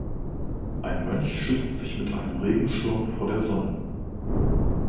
Ein Mönch schützt sich mit einem Regenschirm vor der Sonne.